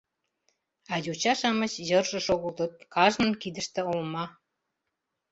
А йоча-шамыч йырже шогылтыт, кажнын кидыште олма.